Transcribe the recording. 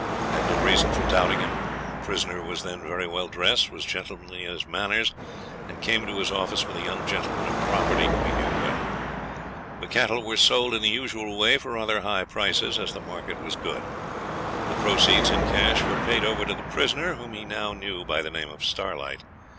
Had no reason for doubting him. Prisoner was then very well dressed, was gentlemanly in his manners, and came to his office with a young gentleman of property whom he knew well. The cattle were sold in the usual way for rather high prices, as the market was good. The proceeds in cash were paid over to the prisoner, whom he now knew by the name of Starlight.